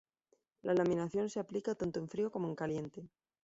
La laminación se aplica tanto en frío como en caliente.